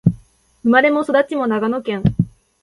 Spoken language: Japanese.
生まれも育ちも長野県